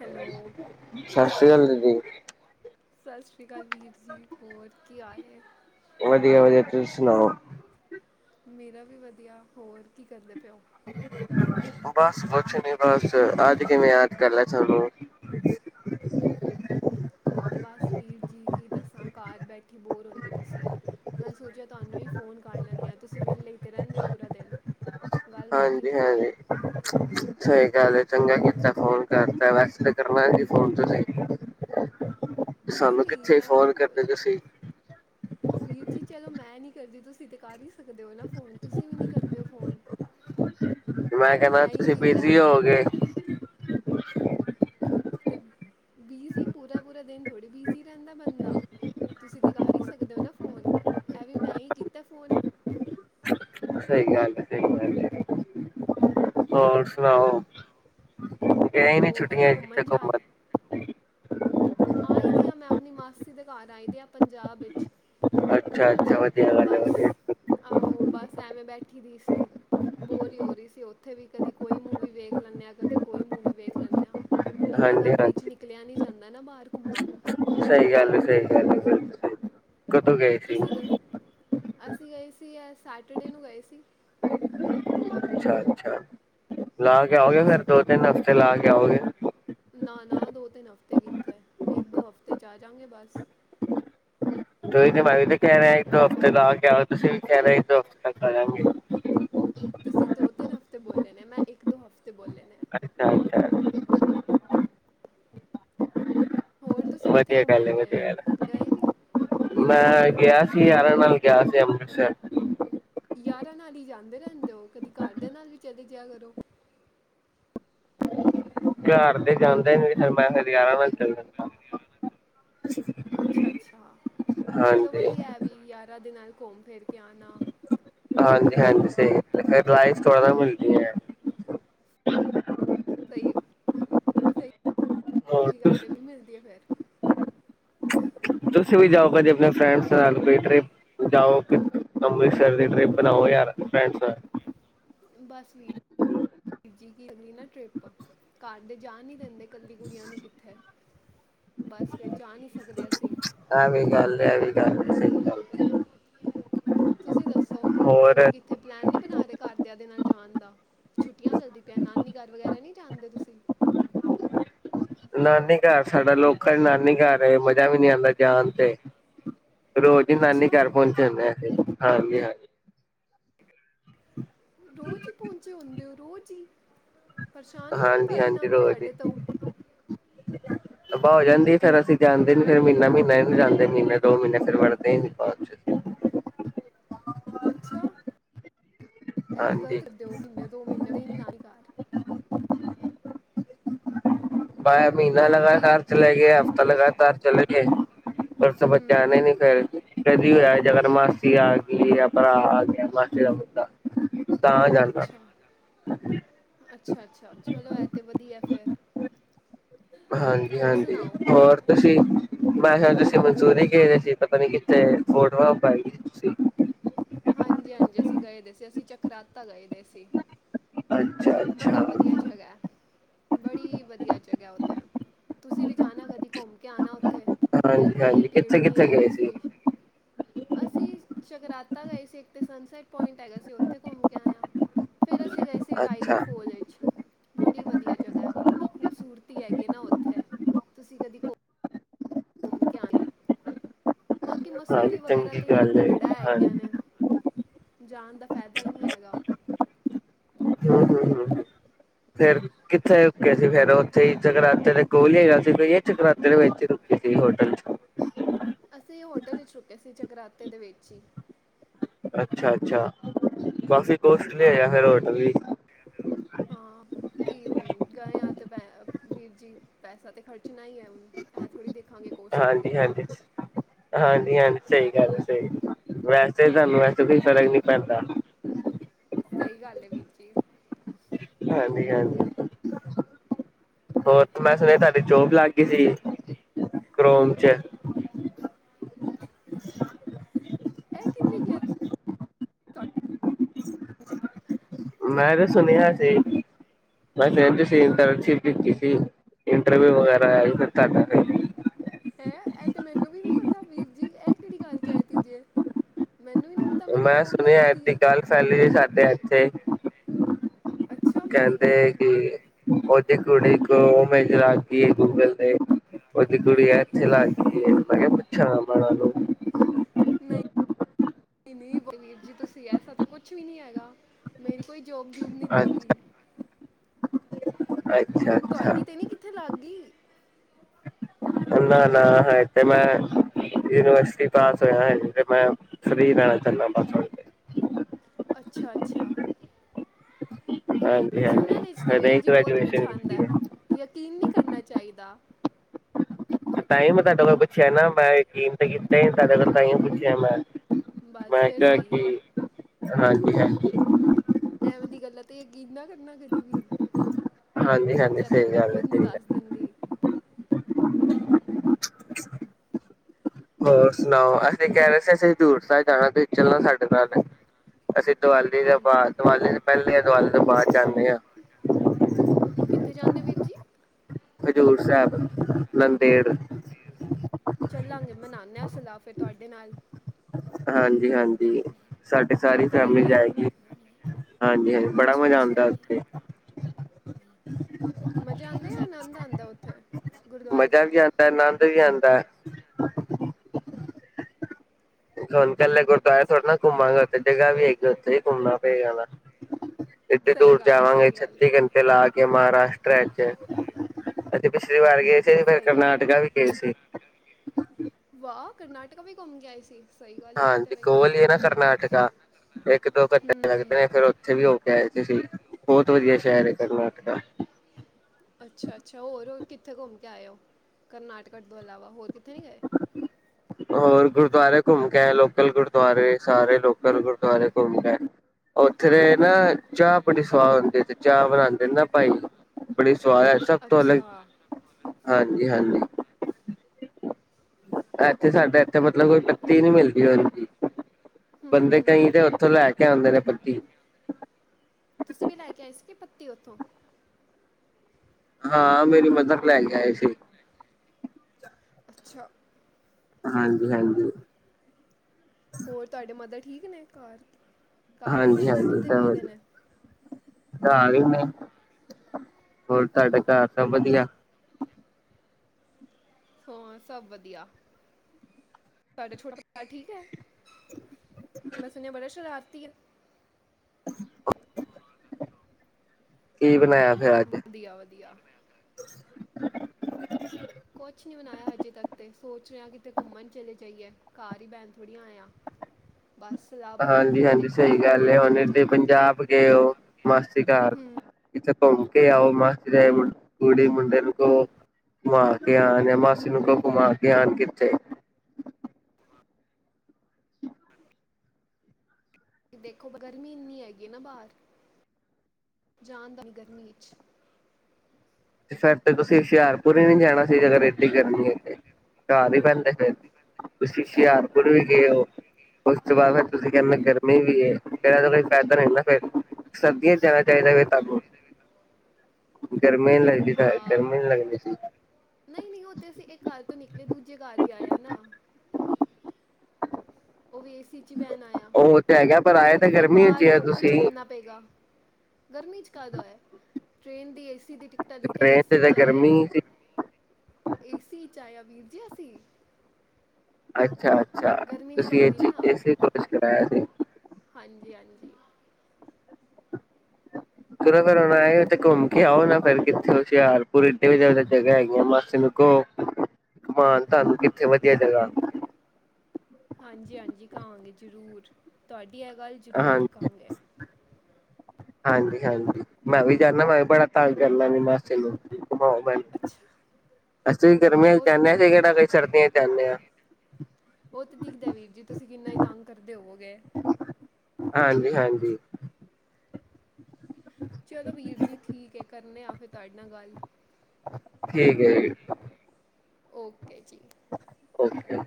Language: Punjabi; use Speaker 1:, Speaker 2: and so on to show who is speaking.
Speaker 1: ਹੈਲੋ
Speaker 2: ਸਤਿ ਸ੍ਰੀ ਅਕਾਲ ਜੀ। ਦੇ
Speaker 1: ਸਤਿ ਸ੍ਰੀ ਅਕਾਲ ਵੀਰ ਜੀ। ਹੋਰ, ਕੀ ਹਾਲ? ਹੈ
Speaker 2: ਵਧੀਆ ਵਧੀਆ, ਤੁਸੀ ਸੁਣਾਓ?
Speaker 1: ਮੇਰਾ ਵੀ ਵਧੀਆ, ਹੋਰ ਕੀ ਕਰਦੇ ਪਏ ਔ?
Speaker 2: ਬਸ ਕੁਛ ਨੀ ਬਸ ਅੱਜ ਕਿਵੇਂ ਯਾਦ ਕਰ ਲਿਆ ਸਾਨੂੰ?
Speaker 1: ਬਾਸ ਵੀਰ ਜੀ ਕੀ ਦੱਸਾਂ ਘਰ ਬੈਠੀ ਬੋਰ ਹੁੰਦੀ ਪਈ ਸੀ। ਮੈਂ ਸੋਚਿਆ ਤੁਹਾਨੂੰ ਈ ਫ਼ੋਨ ਕਰ ਲੈਂਨੀਂ ਆਂ, ਤੁਸੀਂ ਵੇਲੇ ਈ ਤੇ ਰਹਿੰਦੇ ਹੋ ਪੂਰਾ ਦਿਨ। ਗੱਲਬਾਤ ਹੀ ਹੋ
Speaker 2: ਹਾਂਜੀ ਹਾਂ
Speaker 1: ਜਾਏਗੀ
Speaker 2: ਜੀ ਸਹੀ ਕਹਿ ਰਹੇ, ਚੰਗਾ ਕਿਤਾ। ਤਾ ਫੋਨ ਕਰਤਾ ਵੈਸੇ ਤੇ ਕਰਨਾ ਨਹੀ ਸੀ ਫੋਨ ਤੁਸੀਂ।
Speaker 1: ਨਹੀਂ
Speaker 2: ਸਾਨੂੰ
Speaker 1: ਨਹੀਂ
Speaker 2: ਕਿੱਥੇ
Speaker 1: ਐਵੇ ਕਿਓ
Speaker 2: ਫੋਨ
Speaker 1: ਬੋਲ
Speaker 2: ਕਰਦੇ
Speaker 1: ਰਾਹੇ
Speaker 2: ਤੁਸੀਂ
Speaker 1: ਹੋ ਵੀਰ ਜੀ। ਚਲੋ ਮੈਂ ਨੀ ਕਰਦੀ ਤੁਸੀਂ ਤੇ ਕਰ ਹੀ ਸਕਦੇ। ਸਕਦੇ ਔ ਨਾ ਫੋਨ ਤੁਸੀਂ ਵੀ ਨੀ ਕਰਦੇ ਔ ਫੋਨ।
Speaker 2: ਮੈਂ ਕਹਿੰਨਾ ਤੁਸੀਂ
Speaker 1: ਕੀਤਾ
Speaker 2: ਬਿਜੀ ਹੋਵੋਗੇ। [inaudible]
Speaker 1: ਤੇ ਬਿੱਜੀ ਪੂਰਾ-ਪੂਰਾ ਦੇਨ ਥੋੜੀ ਬਿੱਜੀ ਰੈੰਦੈ ਬੰਦਾ, ਤੁਸੀਂ ਤੇ ਕਾਰ ਈ ਸਕਦੇ ਔ ਨਾ ਫੋਨ, ਐ ਵੀ ਮੈਂ ਈ ਕੀਤੈ ਫੋਨ।
Speaker 2: ਸਹੀ ਗੱਲ ਏ, ਸਹੀ ਗੱਲ ਏ, ਹੋਰ ਸੁਣਾਓ? ਗਏ ਨੀ
Speaker 1: ਹੋਰ
Speaker 2: ਛੁੱਟੀਆਂ 'ਚ ਕਿੱਥੇ
Speaker 1: ਘੁੰਮਣ ਜਾ ਰਹੇ
Speaker 2: ਘੁੰਮਣ।
Speaker 1: ਆਈ ਦੀ ਆ, ਮੈਂ ਅਪਣੀ ਮਾਸੀ ਦੇ ਘਰ ਆਈ ਦੀ ਆ, ਪੰਜਾਬ ਵਿੱਚ।
Speaker 2: ਅੱਛਾ। ਅੱਛਾ ਵਧੀਆ
Speaker 1: ਬਸ
Speaker 2: [unintelligible]
Speaker 1: ਆਹੋ, ਬਸ ਐਵੇਂ ਬੈਠੀ ਦੀ ਸੀ, ਬੋਰ ਹੀ ਹੋ ਰੀ ਸੀ, ਔਥੇ ਵੀ ਕਦੀ ਕੋਈ ਮੂਵੀ ਵੇਖ ਲੈਂਣੇ ਆਂ, ਕਦੀ ਕੋਈ ਮੂਵੀ ਵੇਖ ਲੈਂਣੇ ਆਂ। ਇੰਨੀ
Speaker 2: ਹਾਂਜੀ
Speaker 1: ਗਰਮੀ 'ਚ
Speaker 2: ਹਾਂਜੀ
Speaker 1: ਨਿਕਲਿਆ ਨੀ ਜਾਂਦਾ ਨਾ ਬਾਰ ਘੁੰਮਣ।
Speaker 2: ਸਹੀ ਗੱਲ ਏ, ਸਹੀ ਗੱਲ ਏ ਸਹੀ, ਸਹੀ। ਕਦੋਂ ਗਏ ਸੀ?
Speaker 1: ਤੁਸੀਂ ਦੱਸ ਅਸੀਂ ਗਏ ਸੀ, ਐ ਸੈਟਰਡੇ ਨੂੰ ਗਏ ਸੀ।
Speaker 2: ਅੱਛਾ-ਅੱਛਾ। ਲਾ ਕੇ ਆਓਗੇ,
Speaker 1: ਤੁਸ
Speaker 2: ਫੇਰ ਦੋ ਤਿੰਨ ਹਫ਼ਤੇ ਲਾ ਕੇ। ਆਉਗੇ ਨਾ।
Speaker 1: ਨਾ, ਨਾ ਦੋ ਤਿੰਨ ਹਫ਼ਤੇ ਕਿੱਥੇ, ਏਕ ਦੋ ਹਫ਼ਤੇ 'ਚ ਆ ਜਾਂਗੇ ਬੱਸ।
Speaker 2: ਤੁਈ ਤੇ ਮੈਂ ਵੀ ਤੇ ਕੈ ਰਿਆ, ਇੱਕ ਦੋ ਹਫ਼ਤੇ ਲਾ ਕੇ ਆਔ ਤੁਸੀਂ ਵੀ ਕੈ ਰੇ ਇੱਕ ਦੋ ਹਫ਼ਤੇ ਤੱਕ ਆ ਜਾਗੇ।
Speaker 1: ਤੁਸੀਂ ਦੋ ਤਿੰਨ ਹਫ ਤੇ ਬੋਲੇ ਨੇ, ਮੈਂ ਇੱਕ ਦੋ ਹਫ਼ਤੇ ਬੋਲੇ ਨੇ।
Speaker 2: ਅੱਛਾ ਅੱਛਾ
Speaker 1: ਹੋਰ ਤੁਸੀਂ ਕਿੱਥੇ
Speaker 2: ਵਧੀਆ ਗੱਲ,
Speaker 1: ਘੁੰਮਣ ਗਏ ਹੋ
Speaker 2: ਵਧੀਆ
Speaker 1: ਗਏ
Speaker 2: ਗੱਲ,
Speaker 1: ਨਹੀਂ ਕਿੱਥੇ
Speaker 2: ਮੈਂ
Speaker 1: ਘੁੰਮਣ
Speaker 2: ਗਿਆ ਸੀ ਯਾਰਾਂ ਨਾਲ ਗਿਆ ਸੀ। ਅੰਮ੍ਰਿਤਸਰ।
Speaker 1: ਯਾਰਾਂ ਨਾਲ ਹੀ ਜਾਂਦੇ ਰਹਿੰਦੇ ਹੋ, ਕਦੀ ਘਰ ਦੇ ਨਾਲ ਵੀ ਚਲ ਜਾਈਏ ਕਰੋ।
Speaker 2: ਘਰ ਦੇ ਜਾਂਦਾ ਹੀ ਨਹੀਂ, ਫੇਰ ਮੈਂ ਯਾਰਾਂ ਨਾਲ ਚੱਲ ਜਾਣਾ।
Speaker 1: ਅੱਛਾ-ਅੱਛਾ, ਚਲੋ
Speaker 2: ਹਾਂਜੀ
Speaker 1: ਵਧੀਆ ਐ ਵੀ ਯਾਰ। ਸਾਡੇ ਨਾਲ ਘੁੰਮ ਫਿਰ ਕੇ ਆਉਣਾ।
Speaker 2: ਹਾਂਜੀ-ਹਾਂਜੀ, ਸਹੀ ਗੱਲ ਹੈ ਫੇਰ ਲਾਈ ਥੋੜਾ। ਬੋਲਦੀ ਹੈ।
Speaker 1: ਸਹੀ।
Speaker 2: ਹੋਰ
Speaker 1: ਦੀ ਗੱਲ ਇਹ ਵੀ ਮਿਲਦੀ ਹੈ ਫਿਰ।
Speaker 2: ਤੁਸੀਂ ਵੀ ਜਾਓ ਕਦੇ ਆਪਣੇ ਫਰੈਂਡਸ ਨਾਲ, ਕੋਈ ਟ੍ਰਿਪ ਜਾਓ, ਅੰਮ੍ਰਿਤਸਰ ਦੀ ਟ੍ਰਿਪ ਬਣਾਓ ਯਾਰ ਫਰੈਂਡਜ ਨਾਲ।
Speaker 1: ਬਸ ਵੀਰ ਜੀ, ਕਿਹੜੀ ਨਾ ਟ੍ਰਿਪ ਘਰ ਦੇ ਜਾਣ ਨੀ ਦਿੰਦੇ ਇਕੱਲੀ ਕੁੜੀਆਂ ਨੂੰ, ਕਿੱਥੇ ਬਸ ਵਿੱਚ ਆ ਨਹੀਂ ਸਕਦੇ ਅਸੀਂ।
Speaker 2: ਐ ਵੀ ਗੱਲ ਹੈ, ਐ ਵੀ ਗੱਲ ਹੈ, ਸਹੀ ਗੱਲ ਹੈ।
Speaker 1: ਤੁਸੀਂ ਦੱਸੋ? ਹੋਰ ਕਿੱਥੇ ਪਲੈਨ ਨਹੀਂ ਬਣਾ ਰਹੇ? ਘਰਦਿਆਂ ਦੇ ਨਾਲ ਜਾਣ ਦਾ, ਛੁੱਟੀਆਂ ਚੱਲਦੀ ਪਿਆ ਨਾਨੀ ਘਰ ਵਗੈਰਾ ਨਹੀਂ ਜਾਦੇ ਤੁਸੀਂ।
Speaker 2: ਨਾਨੀ ਘਰ, ਸਾਡਾ ਲੋਕਲ ਨਾਨੀ ਘਰ ਏ, ਮਜਾ ਵੀ ਨੀ ਆਉਂਦਾ ਜਾਣ ਤੇ। ਰੋਜ਼ ਹੀ ਨਾਨੀ
Speaker 1: ਅੱਛਾ
Speaker 2: ਘਰ ਪਹੁੰਚਾ ਹੁਣਾ। ਤੇ ਹਾਂਜੀ-ਹਾਂਜੀ।
Speaker 1: ਰੋਜ਼ ਹੀ ਪਹੁੰਚੇ ਹੁੰਦੇ ਹੋ ਰੋਜ਼ ਹੀ। ਪਰੇਸ਼ਾਨ ਨੀ ਹੁੰਦੇ
Speaker 2: ਹਾਂਜੀ
Speaker 1: ਤੁਹਾਡੀ
Speaker 2: ਹਾਂਜੀ
Speaker 1: ਨਾਨੀ
Speaker 2: ਰੋਜ਼
Speaker 1: ਤੁਹਾਡੇ ਤੋਂ?
Speaker 2: ਦਫ਼ਾ ਹੋ ਜਾਂਦੀ ਫੇਰ ਅਸੀਂ ਜਾਂਦੇ ਨਹੀਂ ਫਿਰ ਮਹੀਨਾ ਮਹੀਨਾ ਹੀ ਜਾਂਦੇ ਮਹੀਨੇ ਦੋ ਮਹੀਨੇ ਫਿਰ ਵੜਦੇ ਨਹੀਂ ਬਾਅਦ 'ਚ।
Speaker 1: ਅੱਛਾ। ਇਹ ਤੇ
Speaker 2: ਹਾਂਜੀ
Speaker 1: ਗਲਤ ਕਰਦੇਓ ਹੋ ਮਹੀਨੇ ਦੋ ਮਹੀਨੇ। ਨੇੜੇ ਨੇ ਨਾਨਕੇ ਘਰ?
Speaker 2: ਭਾਇਆ ਮਹੀਨਾ
Speaker 1: ਹਫਤੇ
Speaker 2: ਲਗਾਤਾਰ ਚਲੇ ਗਏ ਹਫ਼ਤਾ ਲਗਾਤਾਰ ਚਲੇ ਗਏ ਪਰਸੋਂ ਬੱਚਿਆ
Speaker 1: ਹੂੰ
Speaker 2: ਆਣੇ ਨੀ ਫੇਰ ਕਦੀ ਹੋਇਆ ਜੇਗਰ ਮਾਸੀ ਆ ਗਈ ਭਰਾ ਆ ਗਿਆ। ਜਿਹੜਾ ਬੰਦਾ। ਤਾਂ ਜਾਂਦਾ।
Speaker 1: ਅੱਛਾ ਅੱਛਾ ਅੱਛਾ ਚਲੋ ਐ ਤੇ ਵਧੀਆ ਫੇਰ।
Speaker 2: ਹਾਂਜੀ ਹਾਂਜੀ ਹੋਰ ਤੁਸੀਂ ਮੈਂ ਕਿਹਾ ਤੁਸੀਂ ਮਨਸੂਰੀ ਗਏ ਹੋਏ ਸੀ। ਪਤਾ ਨਹੀਂ ਕਿੱਥੇ ਫੋਟੋਆਂ ਪਾਈ ਸੀ ਤੁਸੀਂ?
Speaker 1: ਹਾਂਜੀ ਹਾਂਜੀ ਅਸੀਂ ਗਏ ਦੇ ਸੀ ਅਸੀਂ ਚਕਰਾਤਾ ਗਏ ਹੋਏ ਸੀ। ਬੜਾ
Speaker 2: ਅੱਛਾ-ਅੱਛਾ
Speaker 1: ਵਧੀਆ ਜਗਾ ਹੈ। ਬੜੀ ਵਧੀਆ ਜਗ੍ਹਾ ਉੱਥੇ ਤੁਸੀਂ ਵੀ ਜਾਣਾ ਕਦੀ ਘੁੰਮ ਕੇ ਆਉਣਾ ਉੱਥੇ? ਬਿਲਕੁਲ ਵੀ
Speaker 2: ਹਾਂਜੀ-ਹਾਂਜੀ
Speaker 1: ਭੀੜ ਨੀਂ
Speaker 2: ਕਿੱਥੇ-ਕਿੱਥੇ
Speaker 1: ਹੈਗੀ
Speaker 2: ਗਏ
Speaker 1: ਸੀ? ਅਸੀਂ ਚਕਰਾਤਾ ਗਏ ਸੀ ਇੱਕ ਤੇ ਸਨਸੈਟ ਪੁਆਇੰਟ ਹੈਗਾ ਸੀ ਉੱਥੇ ਘੁੰਮ ਕੇ ਆਇਆ ਫੇਰ ਅਸੀਂ ਗਏ ਸੀ। ਟਾਈਗਰ
Speaker 2: ਅੱਛਾ
Speaker 1: ਫੋਲ 'ਚ। ਬੜੀ ਵਧੀਆ ਜਗ੍ਹਾ ਇੰਨੀ ਖੂਬਸੂਰਤੀ ਹੈਗੀ ਨਾ ਉੱਥੇ ਤੁਸੀਂ ਕਦੀ। ਘੁੰਮ ਕੇ ਆਇਆ। ਬਾਕੀ ਮਸੂਰੀ
Speaker 2: ਹਾਂਜੀ
Speaker 1: ਵਗੈਰਾ
Speaker 2: ਚੰਗੀ
Speaker 1: ਤੇ ਇੰਨੀ
Speaker 2: ਗੱਲ ਏ
Speaker 1: ਭੀੜਾਂ ਹੈਗੀਆਂ
Speaker 2: ਹਾਂਜੀ
Speaker 1: ਨੇ ਜਾਣ ਦਾ ਫਾਇਦਾ ਹੀ ਨਹੀਂ ਹੈਗਾ।
Speaker 2: ਹੂੰ-ਹੂੰ-ਹੂੰ। ਫੇਰ ਕਿੱਥੇ ਰੁਕੇ ਸੀ ਫੇਰ ਉੱਥੇ ਹੀ ਚਕਰਾਤੇ ਦੇ ਕੋਲ ਸੀ ਚਕਰਾਤੇ ਦੇ ਵਿੱਚ ਹੀ ਰੁਕੀ ਸੀ ਹੋਟਲ ਚ?
Speaker 1: ਟ ਰੁਕਿਆ ਸੀ ਚਕਰਾਤੇ ਦੇ ਵਿੱਚ ਹੀ।
Speaker 2: ਅੱਛਾ ਅੱਛਾ ਕਾਫੀ ਕੋਸਟਲੀ ਹੈ ਹੋਇਆ ਫਿਰ ਹੋਟਲ ਵੀ?
Speaker 1: ਹਾਂ ਕੀ ਹੁ ਗਏ ਹ ਤੇ ਪੈ ਵੀਰ ਜੀ ਪੈਸਾ ਤੇ ਖਰਚਣਾ ਹੀ ਹੈ ਇਹ ਥੋੜ੍ਹੀ ਦੇਖ
Speaker 2: ਹਾਂਜੀ ਹਾਂਜੀ ਹਾਂਜੀ ਹਾਂਜੀ। ਸਹੀ ਗੱਲ ਹੈ ਸਹੀ ਵੈਸੇ ਤੁਹਾਨੂੰ ਵੈਸੇ ਕੋਈ ਫ਼ਰਕ ਨਹੀਂ ਪੈਂਦਾ।
Speaker 1: ਸਹੀ ਗੱਲ ਹੈ ਵੀਰ ਜੀ।
Speaker 2: ਹਾਂਜੀ ਹਾਂਜੀ। ਹੋਰ ਮੈਂ ਸੁਣਿਆ ਤੁਹਾਡੀ ਜੋਬ ਲੱਗ ਗਈ ਸੀ ਕਰੋਮ ਚ
Speaker 1: ਇਹ ਕਿੰਨੇ ਕਿਹਾ
Speaker 2: [unintelligible]
Speaker 1: ਹੈ ਇਹ ਤੇ ਮੈਨੂੰ ਵੀ ਨੀ ਪਤਾ ਵੀਰ ਜੀ ਇਹ ਕਿਹੜੀ ਗੱਲ ਕਹਿ ਤੀਜੇ ਮੈਨੂੰ ਵੀ ਨੀ
Speaker 2: ਮੈਂ ਸੁਣਿਆ ਇਏ ਦੀ ਗੱਲ ਫੈਲੀ ਦੀ ਸਾਡੇ ਇੱਥੇ
Speaker 1: ਅੱਛਾ ਬੜੀ
Speaker 2: ਕਹਿੰਦੇ
Speaker 1: ਗਲਤ
Speaker 2: ਕਿ ਉਹ ਜੇ [unintelligible]
Speaker 1: ਨਹੀਂ ਨਹੀਂ ਬਲਬੀਰ ਜੀ ਤੁਸੀਂ ਐਸਾ ਤੇ ਕੁਛ ਵੀ ਨਹੀਂ ਹੈਗਾ ਮੇਰੀ ਕੋਈ ਜੋਬ ਜੂਬ ਨੀ ਲੱਗੀ।
Speaker 2: ਅੱਛਾ, ਅੱਛਾ-ਅੱਛਾ
Speaker 1: ਤੁਹਾਡੀ ਤੇ ਨੀ ਕਿੱਥੇ ਲੱਗ ਗਈ।
Speaker 2: ਨਾ ਨਾ ਇਥੇ ਮੈਂ ਯੂਨੀਵਰਸਿਟੀ ਪਾਸ ਹੋਇਆ ਹਜੇ ਤੇ ਮੈਂ
Speaker 1: ਅੱਛਾ ਅੱਛਾ।
Speaker 2: ਹਾਂਜੀ ਹਾਂਜੀ
Speaker 1: ਸੁਣਨ ਵਿੱਚ ਤੇ
Speaker 2: ਮੈਂ ਗ੍ਰੈਜੂਏਸ਼ਨ ਕੀਤੀ ਹੈ।
Speaker 1: ਕਲੀਨ ਨਹੀਂ ਕਰਨਾ ਚਾਹੀਦਾ।
Speaker 2: ਤਾਹੀ ਮੈਂ ਤੁਹਾਡੇ ਕੋਲ ਪੁੱਛਿਆ ਨਾ ਮੈਂ ਯਕੀਨ ਤੇ ਕੀਤਾ ਹੀ ਨਹੀਂ ਤਾਂਹੀ ਤੁਹਾਡੇ ਕੋਲ ਤਾਹੀਓਂ ਪੁੱਛਿਆ ਮੈਂ
Speaker 1: ਬਸ
Speaker 2: ਮੈਂ
Speaker 1: ਫਿਰ
Speaker 2: ਕਿਹਾ
Speaker 1: ਸਹੀ ਹੈ
Speaker 2: ਕਿ ਹਾਂਜੀ। [unintelligible]
Speaker 1: ਐਵੇਂ ਦੀ ਗੱਲਾਂ ਤੇ ਯਕੀਨ ਨਾ ਕਰਨਾ ਕਦੀ ਵੀ।
Speaker 2: ਹਾਂਜੀ ਹਾਂਜੀ
Speaker 1: ਜਦ
Speaker 2: ਸਹੀ
Speaker 1: ਤੱਕ ਮੈਂ
Speaker 2: ਗੱਲ ਹੈ
Speaker 1: ਖੁਦ
Speaker 2: ਸਹੀ
Speaker 1: ਨਹੀਂ ਦੱਸ ਦਿੰਦੀ
Speaker 2: ਗੱਲ। ਹੋਰ ਸੁਣਾਓ ਅਸੀਂ ਕਹਿ ਰਹੇ ਸੀ ਅਸੀਂ ਹਜ਼ੂਰ ਸਾਹਿਬ ਜਾਣਾ ਤੇ ਚੱਲਣਾ ਸਾਡੇ ਨਾਲ ਅਸੀਂ ਦੀਵਾਲੀ ਦੇ
Speaker 1: ਹਾਂਜੀ
Speaker 2: ਬਾਅਦ ਦੀਵਾਲੀ ਦੇ ਪਹਿਲੇ ਦੀਵਾਲੀ ਤੋਂ ਬਾਅਦ ਜਾਂਦੇ ਹਾਂ।
Speaker 1: ਕਿੱਥੇ ਜਾਂਦੇ ਵੀਰ ਜੀ।
Speaker 2: ਹਜ਼ੂਰ ਸਾਹਿਬ ਨੰਦੇੜ।
Speaker 1: ਚੱਲਾਂਗੇ ਬਣਾਨੇ ਆ ਸਲਾਹ ਫਿਰ ਤੁਹਾਡੇ ਨਾਲ।
Speaker 2: ਹਾਂਜੀ। ਹਾਂਜੀ ਹਾਂਜੀ ਸਾਡੀ ਸਾਰੀ
Speaker 1: ਕਦੀ
Speaker 2: ਫੈਮਲੀ
Speaker 1: ਗਏ ਨਹੀਂ
Speaker 2: ਜਾਏਗੀ
Speaker 1: ਨਾ
Speaker 2: ਹਾਂਜੀ ਹਾਂਜੀ ਬੜਾ ਮਜ਼ਾ ਆਉਂਦਾ ਉੱਥੇ।
Speaker 1: ਮਜਾ ਆਉਂਦਾ ਜਾਂ ਆਨੰਦ ਆਉਂਦਾ ਉੱਥੇ? ਗੁਰਦੁਆਰੇ
Speaker 2: ਮਜਾ ਵੀ
Speaker 1: ਸਾਹਿਬ
Speaker 2: ਆਉਂਦਾ ਏ, ਆਨੰਦ ਵੀ ਆਉਂਦਾ ਏ। [inaudible] [unintelligible] ਇਕੱਲੇ ਗੁਰਦੁਆਰੇ
Speaker 1: ਅੱਛਾ
Speaker 2: ਥੋੜੀ ਨਾ ਘੁੰਮਾਂਗਾ, ਉੱਥੇ ਜਗਾਹ ਵੀ ਹੈਗੀ ਉੱਥੇ ਵੀ ਘੁੰਮਨਾ ਪਏਗਾ ਨਾ। ਇਡੀ
Speaker 1: ਸਹੀ
Speaker 2: ਦੂਰ
Speaker 1: ਗੱਲ ਹੈ
Speaker 2: ਜਾਵਾਂਗੇਂ ਈ
Speaker 1: ਸਹੀ ਗੱਲ
Speaker 2: ਛੱਤੀ
Speaker 1: ਹੈ
Speaker 2: ਘੰਟੇ ਲਾ ਕੇ ਮਹਾਰਾਸ਼ਟਰਾ ਚ। ਮੈਂ ਤੇ ਪਿਛਲੀ ਵਾਰੀ [unintelligible]
Speaker 1: ਸਹੀ ਗੱਲ ਹੈ
Speaker 2: ਕਰਨਾਟਕਾ ਵੀ ਗਏ ਸੀ।
Speaker 1: ਵਾਹ ਕਰਨਾਟਕਾ ਵੀ ਘੁੰਮ ਕੇ ਆਏ ਸੀ। ਸਹੀ ਗੱਲ ਹੈ ਤੇ
Speaker 2: ਹਾਂਜੀ
Speaker 1: ਬਈ
Speaker 2: ਕੋਲ ਹੀ ਏ ਨਾ ਕਰਨਾਟਕਾ ਇੱਕ ਦੋ ਘੰਟੇ ਲੱਗਦੇ
Speaker 1: ਹੂੰ
Speaker 2: ਨੇ ਫਿਰ ਉੱਥੇ ਵੀ ਹੋ ਕੇ ਆਏ ਸੀ ਅਸੀਂ, ਬਹੁਤ ਵਧੀਆ ਸ਼ਹਿਰ ਹੈ ਕਰਨਾਟਕਾ।
Speaker 1: ਅੱਛਾ-ਅੱਛਾ ਹੋਰ ਕਿੱਥੇ ਘੁੰਮ ਕੇ ਆਏ ਹੋ, ਕਰਨਾਟਕਾ ਤੋਂ ਇਲਾਵਾ ਹੋਰ ਕਿੱਥੇ ਨੀ ਗਏ।
Speaker 2: ਹੋਰ ਗੁਰਦੁਆਰੇ ਘੁੰਮ ਕੇ ਆਏ, ਲੋਕਲ ਗੁਰਦੁਆਰੇ ਸਾਰੇ ਲੋਕਲ ਗੁਰਦੁਆਰੇ ਘੁੰਮ ਕੇ, ਉੱਥੇ ਦੀ ਨਾ ਚਾਹ ਬੜੀ ਸੁਆਦ ਹੁੰਦੀ, ਤੇ ਚਾਹ ਬਣਾਉਂਦੇ ਨੇ ਨਾ ਭਾਈ ਬੜੀ ਸੁਆਦ ਹੈ, ਸਭ ਤੋ ਅਲੱਗ
Speaker 1: ਅੱਛਾ
Speaker 2: ਹਾਂਜੀ-ਹਾਂਜੀ। ਇੱਥੇ ਸਾਡਾ, ਇੱਥੇ ਮਤਲਬ ਓਹ ਪੱਤੀ ਨੀ ਮਿਲਦੀ ਇਹੋ ਜਿਹੀ।
Speaker 1: ਹੂੰ
Speaker 2: ਬੰਦੇ
Speaker 1: ਹੂੰ
Speaker 2: ਕਈ ਤੇ ਉੱਥੋ ਲੈ ਕੇ ਆਉਂਦੇ ਨੇ ਪੱਤੀ। [inaudible]
Speaker 1: ਤੁਸੀ ਵੀ ਲਏ ਕੇ ਆਏ ਸੀ ਕੀ ਪੱਤੇ ਉੱਥੋਂ?
Speaker 2: ਹਾਂ ਮੇਰੀ ਮਦਰ ਲੇ ਕੇ ਆਏ ਸੀ।
Speaker 1: ਅੱਛਾ,
Speaker 2: ਹਾਂਜੀ-ਹਾਂਜੀ,
Speaker 1: ਹੋਰ ਤੁਹਾਡੇ ਮਦਰ ਠੀਕ ਨੇ ਘਰ? ਘਰ ਹੀ ਨੇ ਜਾਂ ਕਿੱਥੇ ਗਏ ਦੇ
Speaker 2: ਹਾਂਜੀ-ਹਾਂਜੀ,
Speaker 1: ਨੇ
Speaker 2: ਘਰ ਹੀ ਨੇ, ਹੋਰ ਤੁਹਾਡੇ ਘਰ ਸਭ ਵਧੀਆ?
Speaker 1: ਹਾਂ ਸਭ ਵਧੀਆ, ਤੁਹਾਡਾ ਛੋਟਾ [inaudible] ਠੀਕ ਏ। ਮੈਂ ਸੁਣਿਆ ਬੜਾ ਸ਼ਰਾਰ ਤੀ
Speaker 2: [inaudible] ਫਿਰ ਬਣਾਇਆ ਅੱਜ
Speaker 1: ਵਧੀਆ-ਵਧੀਆ।
Speaker 2: [inaudible]
Speaker 1: ਕੁਛ ਨੀ ਬਨਾਇਆ ਹਜੇ ਤੱਕ ਤੇ, ਸੋਚ ਰਹੀ ਹਾਂ ਕਿਤੇ ਘੁੰਮਣ ਚਲੇ ਜਾਈਏ, ਘਰ ਹੀ ਬੈਨ ਥੋੜ੍ਹੀ ਆਇਆਂ।
Speaker 2: ਹਾਂਜੀ-ਹਾਂਜੀ ਸਹੀ ਗੱਲ
Speaker 1: ਆ
Speaker 2: ਏ
Speaker 1: ਕਿ
Speaker 2: ਹੁਨ
Speaker 1: ਨਹੀਂ
Speaker 2: ਇਹਡੇ
Speaker 1: ਜਾਂਦੇ
Speaker 2: ਪੰਜਾਬ ਗਏ ਹੋ ਮਾਸੀ ਘਰ,
Speaker 1: ਹੂੰ
Speaker 2: ਕਿਤੇ ਘੁੰਮ ਕੇ ਆਓ ਨਾ। ਜਾ ਫਿਰ ਕੁੜੀ ਮੁੰਡੇ ਨੂੰ ਕਹੋ ਘੁਮਾ ਕੇ ਆ, ਜਾ ਮਾਸੀ ਨੂੰ ਕਹੋ ਘੁਮਾ ਕੇ ਆਨ ਕਿੱਤੇ।
Speaker 1: ਦੇਖੋ ਤੇ ਗਰਮੀ ਇੰਹਨੀ ਹੈਗੀ ਏ ਨਾ ਬਾਹਰ, ਜਾਨ ਦਾ ਨੀ ਗਰਮੀ ਚ।
Speaker 2: ਤੇ ਫਿਰ ਤੇ ਤੁਸੀ ਹੁਸ਼ਿਆਰਪੁਰ ਵੀ ਨੀ ਜਾਣਾ ਸੀ ਅਗਰ ਇਹਡੀ ਗਰਮੀ ਹੈ ਤੇ, ਘਰ ਹੀ ਰਹਿੰਦੇ ਫਿਰ। ਤੁਸੀ ਹੁਸ਼ਿਆਰਪੁਰ ਵੀ ਗਏ ਹੋ, ਉਸ ਤੋਂ ਬਾਅਦ ਫਿਰ ਤੁਸੀ ਕਹਿੰਨੇਂ ਹੋ ਗਰਮੀ ਵੀ ਹੈ, ਇਹਦਾ ਕੋਈ ਫਾਇਦਾ ਨੀ ਨਾ ਫੇਰ ਸਰਦੀਆ ਚ ਜਾਣਾ ਚਾਹੀਦਾ ਫਿਰ ਤੁਹਾਨੂੰ, [unintelligible]
Speaker 1: ਹਾਂ
Speaker 2: ਗਰਮੀ ਨੀ ਲੱਗਣੀ ਸੀ
Speaker 1: ਨਹੀ-ਨਹੀ ਉਹ ਤੇ ਅਸੀ ਇੱਕ ਘਰ ਤੋਂ ਨਿਕਲੇ ਦੂਜੇ ਘਰ ਹੀ ਆਇਆ ਨਾ ਉਹ ਵੀ ਏਸੀ ਚ ਹੀ ਬੈਣ ਆਇਆ
Speaker 2: ਉਹ ਤੇ ਹੈਗਾ ਪਰ ਆਏ
Speaker 1: ਉਹ
Speaker 2: ਤਾਂ
Speaker 1: ਤੇ ਫਿਰ
Speaker 2: ਗਰਮੀ
Speaker 1: ਬਾਹਰ
Speaker 2: ਹੀ ਆ
Speaker 1: ਧੁੱਪ ਚ
Speaker 2: ਤੁਸੀਂ
Speaker 1: ਘੁੰਮਣਾ ਪਏਗਾ ਗਰਮੀ ਚ' ਕਦ ਆਏ ਆ ਟ੍ਰੇਨ ਦੀ ਏਸੀ ਦੀ ਟਿਕਟਾਂ ਲਿਤੀਆ
Speaker 2: ਟ੍ਰੇਨ ਤੇ
Speaker 1: ਏਸੀ
Speaker 2: ਤਾਂ
Speaker 1: ਚ' ਏਸੀ
Speaker 2: ਗਰਮੀ ਸੀ
Speaker 1: ਚ ਆਏ ਆ। ਵੀਰ ਜੀ ਅਸੀ
Speaker 2: ਅੱਛਾ, ਅੱਛਾ-ਅੱਛਾ ਤੁਸੀ
Speaker 1: ਲੱਗਦੀ ਨਾ
Speaker 2: ਏਸੀ ਕੋਚ ਕਰਾਇਆ ਸੀ।
Speaker 1: ਹਾਂਜੀ ਹਾਂਜੀ
Speaker 2: ਚਲੋ ਫਿਰ ਹੁਣ ਆਏ ਤੇ ਘੁੰਮ ਕੇ ਆਓ ਨਾ ਫਿਰ ਕਿੱਥੇ ਹੁਸ਼ਿਆਰਪੁਰ ਇਤਨੀ ਜਗ੍ਹਾ ਹੈਗੀਆਂ ਮਾਸੀ ਨੂੰ ਕਹੋ ਘੁਮਾਣ ਤੁਹਾਨੂੰ ਕਿੱਥੇ ਵਧੀਆ ਜਗ੍ਹਾ
Speaker 1: ਹਾਂਜੀ-ਹਾਂਜੀ ਕਹਾਂਗੇ ਜਰੂਰ ਤੁਹਾਡੀ ਇਹ ਗੱਲ ਜ਼ਰੂਰ ਕਾਂਗੀ।
Speaker 2: ਹਾਂਜੀ-ਹਾਂਜੀ ਮੈਂ ਵੀ ਜਾਂਦਾ ਮੈਂ ਵੀ ਬੜਾ ਤੰਗ ਕਰਨਾ ਮਾਸੀ ਨੂੰ [unintelligible]
Speaker 1: ਅੱਛਾ
Speaker 2: ਅਸੀ ਗਰਮੀ ਹੈ
Speaker 1: ਉਹ ਤਾਂ
Speaker 2: ਜਾਨੇ
Speaker 1: ਦਿਖ
Speaker 2: ਸੀ ਕਿਹੜਾ ਸਰਦੀ ਵਿਚ ਜਾਨੇ ਆ
Speaker 1: ਉਹ ਤਾਂ ਦਿਖਦਾ ਵੀਰ ਜੀ ਤੁਸੀਂ ਕਿੰਨਾ ਹੀ ਤੰਗ ਕਰਦੇ ਹੋਵੋਗੇ
Speaker 2: ਹਾਂਜੀ-ਹਾਂਜੀ,
Speaker 1: ਚਲੋ ਵੀਰ ਜੀ ਠੀਕ ਹੈ ਕਰਨੇ ਆ ਫਿਰ ਤੁਹਾਡੇ ਨਾਲ ਗੱਲ
Speaker 2: ਠੀਕ ਹੈ। ਜੀ-
Speaker 1: ਓਕੇ ਜੀ
Speaker 2: ਓਕੇ-